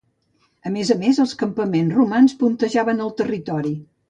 A més a més, els campaments romans puntejaven el territori.